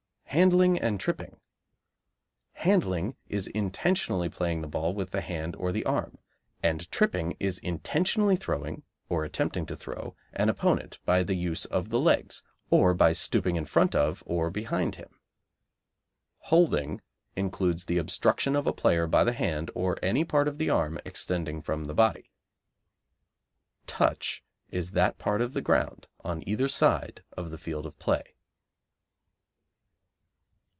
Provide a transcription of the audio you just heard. Handling and Tripping Handling is intentionally playing the ball with the hand or arm; and tripping is intentionally throwing, or attempting to throw, an opponent by the use of the legs, or by stooping in front of or behind him. Holding includes the obstruction of a player by the hand or any part of the arm extending from the body. Touch is that part of the ground on either side of the field of play.